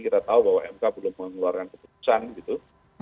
kita tahu bahwa mk belum mengeluarkan keputusan gitu